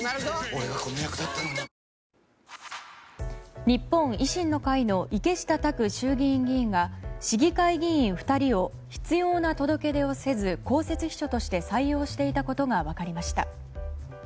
俺がこの役だったのに日本維新の会の池下卓衆議院議員が市議会議員２人を必要な届け出をせず公設秘書として採用していたことが分かりました。